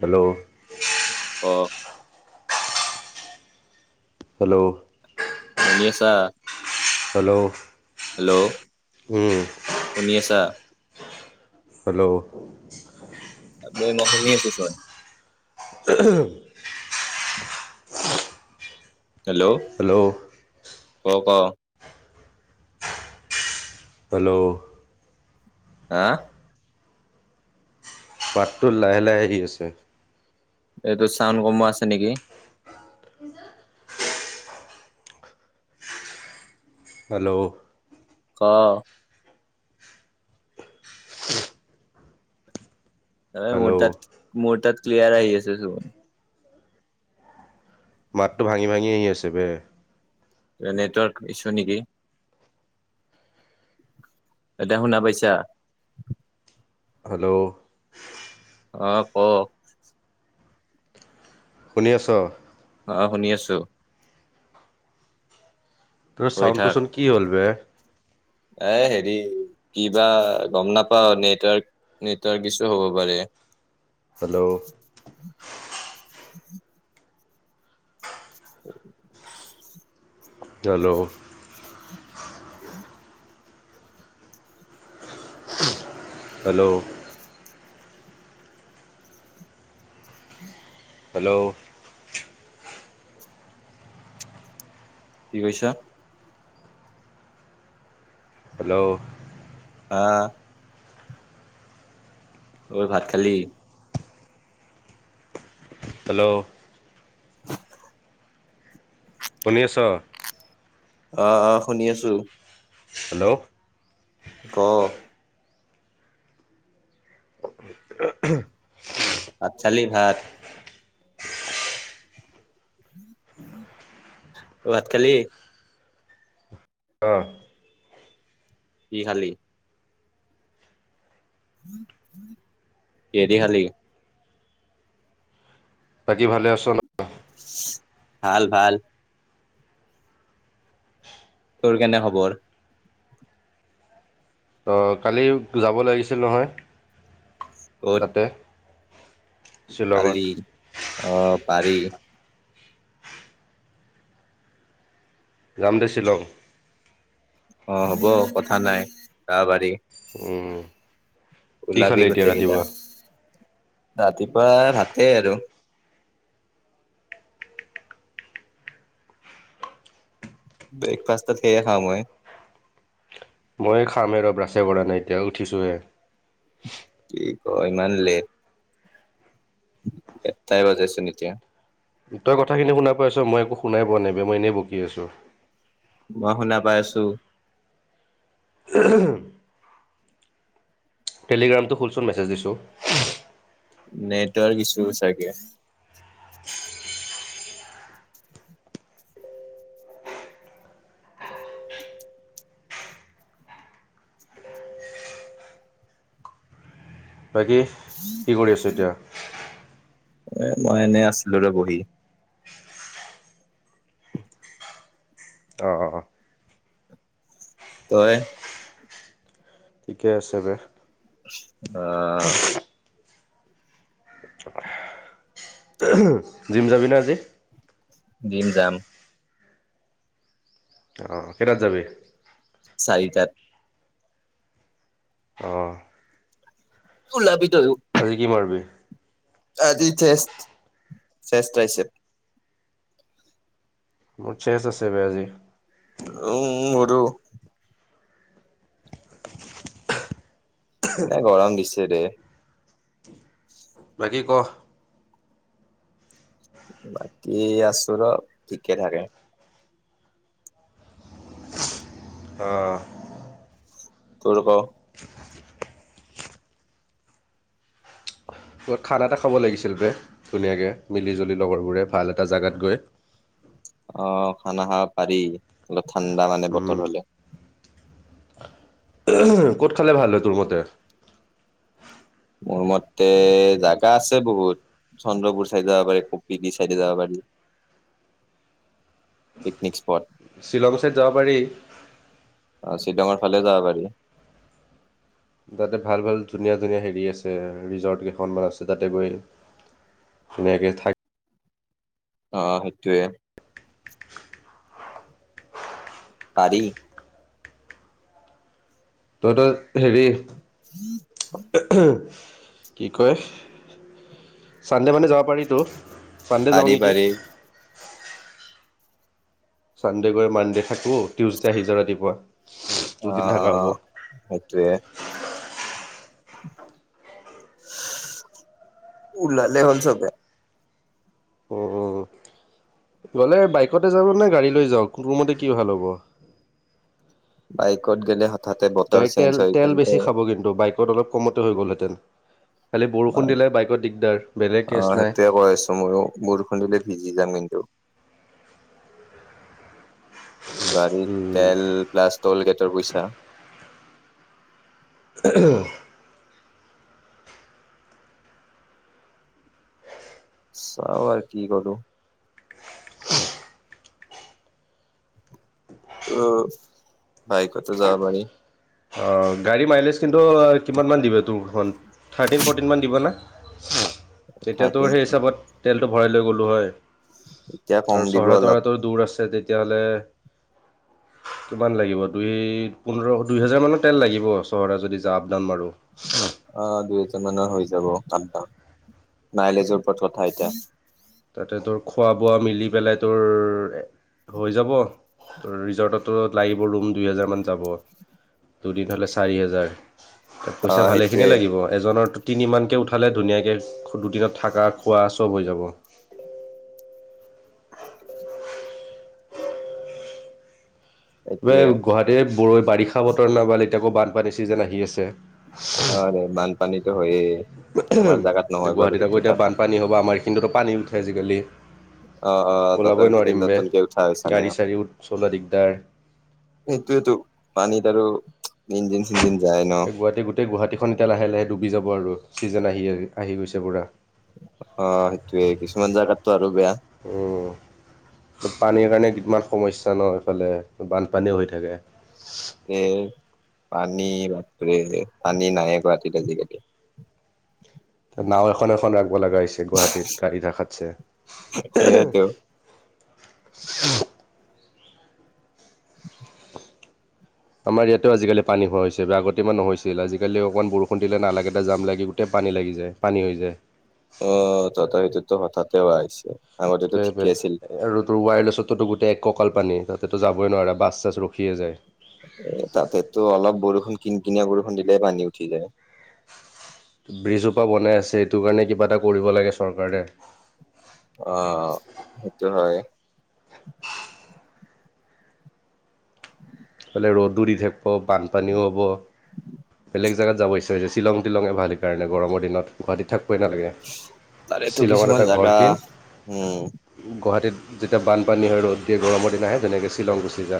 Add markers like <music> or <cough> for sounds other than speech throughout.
Hello অ hello শুনি আছা হেল্ল' হেল্ল' উম শুনি আছা হেল্ল' আবে মই শুনি আছোচন আহ হেল্ল' উম ক হেল্ল' হাঁ পাতটো লাহে লাহে আহি আছে। এইটো চাউন কমোৱা আছে নেকি হেল্ল' অ মানে হেল্ল' মোৰ তাত ক্লিয়াৰ আহি আছে চোন মাতটো ভাঙি ভাঙি আহি আছে বে নেটৱৰ্ক ইছু নেকি এতিয়া শুনা পাইছা হেল্ল' উম ক শুনি আছ অ শুনি আছো। তোৰ চাউণ্ড টো চন কি হল বে আহ হেৰি কিবা গম নাপাও নেটৱৰ্ক নেটৱৰ্ক ইছু হ'ব পাৰে হেল্ল' <unintelligible> হেল্ল' হেল্ল' হেল্ল' কি কৈছা হেল্ল' আহ অই ভাত খালি হেল্ল' শুনি আছ আহ অ শুনি আছো হেল্ল' ক <unintelligible> চালি ভাত ভাত খালি অ কি খালি কেহেদি খালি বাকী ভালে আছ ন ভাল ভাল তোৰ কেনে খবৰ অ কালি যাব লাগিছিল নহয় ক'ত তাতে শ্বিলঙত কালি অ পাৰি জামদে শিলং অ হ'ব কথা নাই ত বাৰী কি উলাবী খালি এতিয়া গোতেই কেইটা ৰাতিপুৱা ৰাতিপুৱা ভাতেই আৰু ব্ৰেকফাষ্টত সেয়ে খাম ও মই <unintelligible> মই খাম এ ৰ ব্ৰাছে কৰা নাই এতিয়া উঠিছোঁহে কি ক ইমান লেট এটাই বাজেইছোন এতিয়া তই কথাখিনি শুনা পাইছ মই একো শুনাই পোৱা নাই বে মই এনেই বকি আছো মই শুনা পাই আছো <inaudible> টেলিগ্ৰামটো খোলচোন মেছেজ দিছোঁ নেটৱৰ্ক ইচু চাগে বাকী কি কৰি আছোঁ এতিয়া এ মই এনে আছিলো ৰ বহি অ অ অ তই ঠিকে আছে দে আহ জিম যাবি ন আজি জিম জাম অঁ কেইটাত যাবি চাৰিটাত অঁ ওলাবি তইও আজি কি মাৰিবি আজি চ চেষ্ট্ৰছে <unintelligible> মোৰ চে চ আছে বে আজি উম উম এইটো এনে গৰম দিছে দে <unintelligible> কি ক <unintelligible> বাকী আছো ৰ ঠিকে থাকে আহ তোৰক <unintelligible> বত খানা এটা খাব লাগিছিল ব ধুনীয়াকে মিলি জুলি লগৰবোৰে ভাল এটা জোগাত গৈ <unintelligible> <inaudible> অ খানা খাব পাৰি অলপ ঠাণ্ডা মানে বতৰ হলে <unintelligible> ক'ত খালে ভাল হয় তোৰ মতে মোৰ মতে জাগা আছে বহুত চন্দ্ৰপুৰ চাইডে যাবা পাৰি কপিলি চাইডে যাবা পাৰি <unintelligible> পিকনিক স্পট শ্বিলং চাইদ যাব পাৰি আহ শ্ৰীডঙৰ ফালে যাব পাৰি <unintelligible> তাতে ভাল ভাল ধুনীয়া ধুনীয়া হেৰি আছে ৰিজৰ্ট কেইখনমান আছে তাতে গৈ <unintelligible> এনেকে থাকে অ সেইটোৱে পাৰি তইত হেৰি কি কয় চান্ডে মানে যাব <unintelligible> পাৰিতো চানডে যাওঁ পাৰি নেকি পাৰি চানডে গৈ মানডে থাকো টিউজডে আহি যাম ৰাতিপুৱা। দুদিন অঁ থকা হ'ব অঁ সেইটোৱে। <unintelligible> ওলালে হ'ল চবেই। <unintelligible> উম গ'লে বাইকতে যাব নে গাড়ী লৈ যাওঁক কোনোমতে কি ভাল হ'ব। <unintelligible> বাইকত গেলে হঠাতে বতৰ গাড়ীত চেঞ্জ তেল হৈ তেল গলে বেছি খাব কিন্তু বাইকত অলপ কমতে হৈ গ'লহেঁতেন। খালি বৰষুণ দিলে বাইকত দিগদাৰ বেলেগ অ কেছ নাই। সেইটোয়ে কৈ আছো ময়ো বৰষুণ দিলে <unintelligible> ভিজি যাম কিন্তু গাড়ীত উম তেল প্লাছ ট্ৰল গেটৰ পইচা। <unintelligible> <inaudible> চাওঁ আৰু কি কৰোঁ। উম, বাইকতে যাব পাৰি। অঁ গাড়ী মাইলেজ কিন্তু কিমানমান দিব তোৰখন, থাৰ্টিন ফৰ্টিনমান দিব না? <unintelligible> তেতিয়া তোৰ থাৰ্টিন সেই হিচাপত তেলটো ভৰাই লৈ গ'লোঁ হয়। এতিয়া কম আৰু দিব চহৰে অলপ তহৰেতো দূৰ আছে তে তিয়া হ'লে কিমান লাগিব দুই, পোন্ধৰ <unintelligible> দুই হজাৰ মানৰ তেল লাগিব চহৰতে যদি আপ- ডাউন মাৰো। অ দুই হাজাৰ মানত হৈ যাব আপ-ডাউন মাইলেজৰ ওপৰত কথা এতিয়া। তাতে তোৰ খোৱা বোৱা মিলি পেলাই তোৰ হৈ যাব, ৰিজৰ্টতটো লাগিব ৰুম দুই হাজাৰ মান যাব দুদিন হ'লে চাৰি হেজাৰ। <unintelligible> অ পইচা সেইটোয়ে ভালেখিনিয়ে লাগিব এজনৰতো তিনি মানকে উঠালে ধুনীয়াকে দুদিনত থাকা খোৱা চব হৈ যাব। <unintelligible> <inaudible> সেইটোয়ে এই গুৱাহাটীৰ বাৰিষা বতৰ নমালে এতিয়া আকৌ বানপানীৰ চিজন আহি আছে। <unintelligible> অ দে বানপানীটো হৈয়েই। গুৱাহাটীত আকৌ এতিয়া ভাল বানপানী হ'ব আমাৰ এইখিনিতো পানী উঠে আজিকালি। <unintelligible> অ অ তাতো ওলাবই এইকেইদিন নোৱাৰিম বে। নতুনকে উঠা হৈছে নে? গাড়ী <unintelligible> চাড়ী চলোৱা দিগদাৰ। সেইটোৱেটো পানীত আৰু ইঞ্জিন চিঞ্জিন যায় ন এই গুৱাহাটী গোটেই গুৱাহাটীখন এতিয়া লাহে লাহে ডুবি যাব আৰু। <unintelligible> চিজন আহি আহি আহি গৈছে পুৰা। <unintelligible> অ সেইটোৱে কিছুমান জাগাতটো আৰু বেয়া উম পানীৰ কাৰণে ইমান সমস্যা ন এইফালে, বানপানীও হৈ থাকে। এ পানী বাপৰে পানী নাইয়ে গুৱাহাটীত আজিকালি। নাওঁ এখন এখন ৰাখব লাগা হৈছে গুৱাহাটীত গাড়ী ৰাখাতছে <inaudible> <unintelligible> আমাৰ ইয়াতো আজিকালি পানী হোৱা হৈছে, আগতে ইমান নহৈছিল আজিকালি অকমান বৰষুণ দিলে নালাকিটা জাম লাগি গোটেই পানী লাগি যায় পানী হৈ যায়। অ তথাপিটো ত হঠাতে হোৱা হৈছে। আগতেতো সেইটোৱে‌ ঠিকে আছিল সেইটোৱে আৰু তোৰ ৱায়লেছতোটো গোটেই এক ককাল পানী তাতে তো যাবই নোৱাৰা বাছ চাছ ৰখিয়ে যায়। তাতেতো অলপ বৰষুণ কিন কিনিয়া বৰষুণ দিলে পানী উঠি যায়। ব্ৰিজ হোপা বনাই আছে এইটো কাৰণে কিবা এটা কৰিব লাগে চৰকাৰে। অ সেইটো হয়। এইফালে ৰ'দো দি থাকিব বানপানীও হ'ব বেলেগ জাগাত যাব ইচ্ছা যায়। শ্বিলং তিলং এ ভাল সেইকাৰণে গৰমৰ দিনত গুৱাহাটীত থাক কইনাদিয়া তাৰেতো শ্বিলংত কিছুমান এটা ঘৰ জাগা কিন, উম গুৱাহাটীত যেতিয়া বানপানী হয় ৰ'দ দিয়ে গৰমৰ দিন আহে তেনেকে শ্বিলং গুচি যা,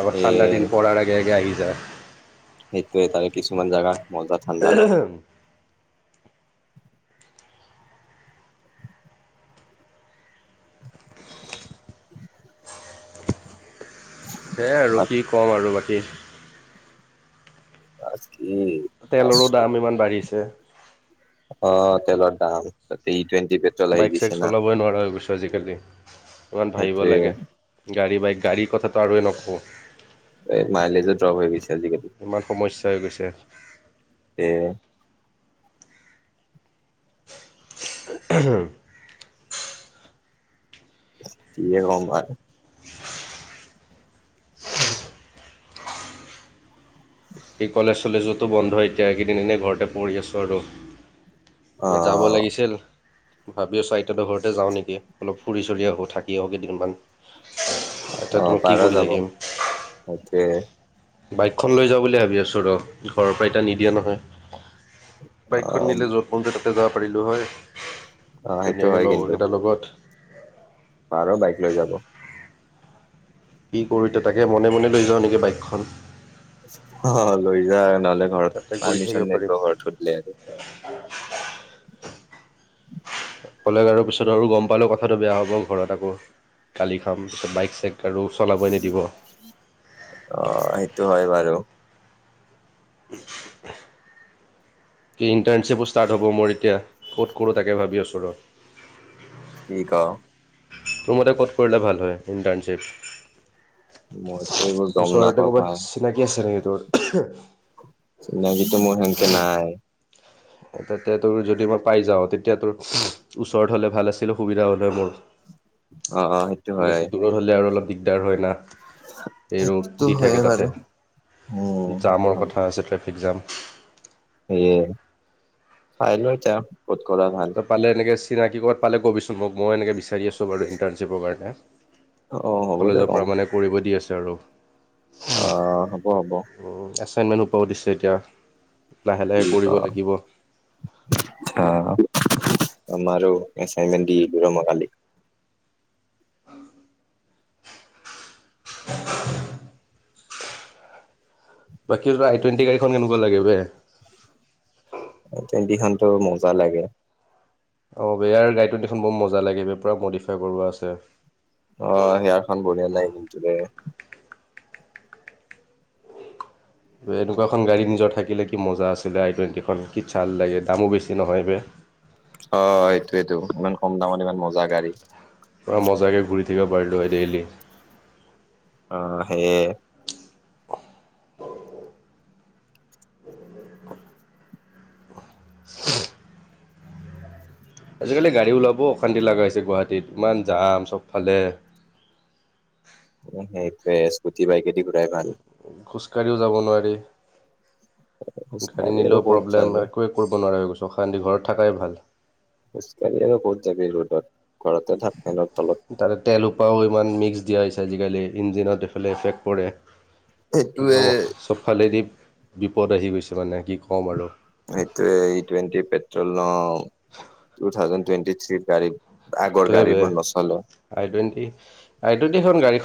আকৌ এ ঠাণ্ডা দিন পৰাৰ আগে আগে আহি যা। সেইটোৱে তাৰে কিছুমান জাগাত মজা ঠাণ্ডা ন। <unintelligible> সেয়াই আৰু কি ক'ম আৰু বাকী। তেলৰো দাম ইমান বাঢ়িছে <unintelligible> অ তেনান অ তাতেই তেন <unintelligible> বাইক চাইক চলাবই নোৱাৰাই হৈ গৈছো আজিকালি ইমান ভাবিব লাগে সেইটোৱে গাড়ী বাইক। গাড়ীৰ কথাটো আৰুএ নকওঁ। এ মাইলেজো যাব দিছে আজিকালি। তে উম হ <unintelligible> <unintelligible> এই কলেজ চলেজতো বন্ধ হয়, এতিয়া এইকেইদিন এনেই ঘৰতে পঢ়ি আছোঁ আৰু। অ ক'ৰবাত যাব লাগিছিল, ভাবি আছো আইতা বা ঘৰতে যাওঁ নিকি অলপ। ফুৰি চোৰি আহোঁ, থাকি আহো কেইদিনমান। অ এতে ধৰ কি পাৰা কৰি যাব থাকিম। সেইটোৱে বাইকখন লৈ যাওঁ বুলি ভাবি আছো ৰ, ঘৰৰ পৰা এতিয়া নিদিয়ে নহয়। অ বাইকখন নিলে যত মনজাই তাতে যাব পাৰিলো হয়। অ সেইটো ধুনীয়াকে লগৰকেইটাৰ লগত। নোৱাৰ বাইক লৈ যাব। কি কৰোঁ এতিয়া তাকে মনে মনে লৈ যাওঁ নিকি বাইকখন। অ লৈজা, নহলে ঘৰত তাতে ঘূৰি থাকিব পাৰ্মিচন পাৰিম নিদিব ঘৰত সুধিলে আৰু। ক'লে আৰু পিছত আৰু গম পালে কথাটো বেয়া হ'ব, ঘৰত আকৌ গালি খাম, পিছত বাইক চাইক আৰু চলাবই নিদিব অ সেইটো হয় বাৰু। <unintelligible> কি ইণ্টাৰ্ণশ্বিপো ষ্টাৰ্ট হ'ব মোৰ এতিয়া, ক'ত কৰোঁ তাকে ভাবি আছোঁ ৰ। ষ্টিকাও তোৰ মতে ক'ত কৰিলে ভাল হয় ইণ্টাৰ্ণশ্বিপ? মইতো এইবোৰ গম ওচৰতে নাপাওঁ ভাই কৰ'বাত চিনাকি আছে নি তোৰ? চিনাকিতো মোৰ সেনকে নাই তেতিয়া তোৰ তা যদি মই পাই যাও, তেতিয়া তোৰ ওচৰত হলে ভাল আছিল সুবিধা হলে মোৰ। অ', অ', সেইটো হয় বেছি দূৰত হ'লে আৰু অলপ দিগদাৰ হয় না। এ ৰদ সেইটোতো দি থাকে হয়ে তাতে বাৰু উম, সেইটো জামৰ কথা আছে, ট্ৰেফিক এগজাম এ চাই ল এতিয়া ক'ত কৰা ভাল। চিনাকি'ত পালে ক'বিচোন, মই এনে বিচাৰি আছোঁ মানে ইণ্টাৰ্শ্বিপৰ কাৰণে। অ', হ'ব দে কলেজৰ কম পৰা মানে কৰিব দি আছে আৰু। অ হ'ব হ'ব। আচাইনমেণ্ট উপাব দিছে এতিয়া। লাহে লাহে কৰিব লাগিব আচা <unintelligible> আমাৰো এছাইনমেণ্ট দি ৰম কালি। বাকী আই টুৱেণ্টি গাড়ীখন কেনেকুৱা লাগে বে। আই টোৱেন্তিখনটো মজা লাগে। অ বেয়া হৈ যায়, কিন্তু গাড়ীটো দেখোন বৰ মজা লাগে, পুৰা মডিফাই কৰোৱা আছে। অ সেয়াখন বঢ়িয়া নাই কিন্ত দে। এনেকুৱা এখন গাড়ী নিজৰ থাকিলে কি মজা আছিলে হয়, আই টুৱেণ্টিখন কি চাল লাগে দামো বেছি নহয় হে। অ এইটোৱেটো ইমান কম দামত ইমান মজা গাড়ী। পূৰা মজাকে ঘূৰি থাকিব পাৰিলোঁ হয় ডেইলি। অ সেইয়াই।। আজিকালি গাড়ী ওলাব অশান্তি লগা হৈছে, গুৱাহাটীত ইমান জাম চবফালে। উ সেইটোৱে স্কুটি বাইক এদি ঘূৰাই ভাল। কেনিও যাব নোৱাৰি। গাড়ী খোজকাঢ়ি আৰু নিলেও ক'ত প্ৰব্লেম যাবি একোৱে কৰিব নোৱাৰে হৈ গৈছো, অশান্তি, ঘৰত থাকাই ভাল। খোজ কাঢ়ি আৰু ক'ত যাবি ৰ'দত ঘৰতে থাক ন। তাতে তেলৰো হুপাপাও ইমান মিক্স দিয়া হৈছে আজিকালি ইঞ্জিনত এইফালে এফেক্ট পৰে। সেইটোৱে একদম চবফালেদি বিপদ আহি গৈছে মানে কি ক'ম আৰু। সেইটোটুৱেণ্টি পেট্ৰল ন টু থাউজেড টুৱেণ্টি থ্ৰ গাড়ীত। সেইটোৱে বেয়া, আই টোৱনেটি টোৱনেটি গাড়ী।